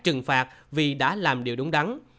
các quốc gia khác trừng phạt vì đã làm điều đúng đắn